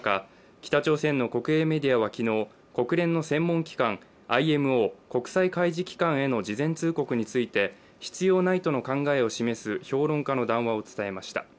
北朝鮮の国営メディアは昨日、国連の専門機関、ＩＭＯ＝国際海事機関への事前通告について必要ないとの考えを示す評論家の談話を伝えました。